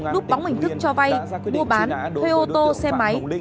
núp bóng hình thức cho vay mua bán thuê ô tô xe máy